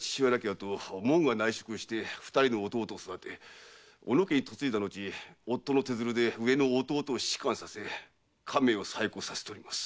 あともんが内職して二人の弟を育て小野家へ嫁いだのち夫の手づるで上の弟を仕官させ家名を再興させております。